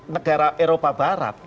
negara eropa barat